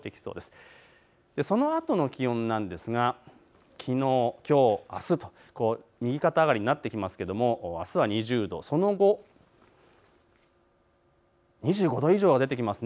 そのあとの気温、きのう、きょう、あすと右肩上がりになってきますけれどあすは２０度、その後、２５度以上が出てきます。